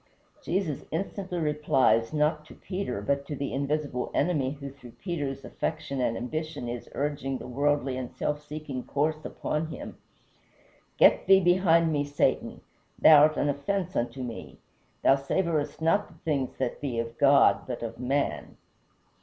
Jesus instantly replies, not to Peter, but to the Invisible Enemy who through Peter's affection and ambition is urging the worldly and self seeking course upon him: "Get thee behind me, Satan, thou art an offence unto me. Thou savorest not the things that be of God but of man."